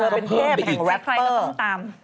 แล้วก็เพิ่มไปอีกที่ใครก็ต้องตาม